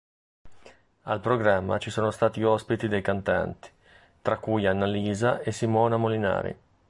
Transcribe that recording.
Al programma ci sono stati ospiti dei cantanti, tra cui Annalisa e Simona Molinari.